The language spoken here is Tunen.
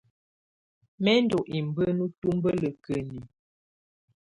Mɛ ndɔ́ ibǝ́nu tubǝ́lǝkǝni.